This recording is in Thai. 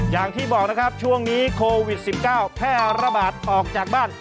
อย่างที่บอกนะครับช่วงนี้โควิด๑๙แพร่ระบาดออกจากบ้าน